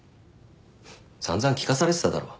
散々聞かされてただろ。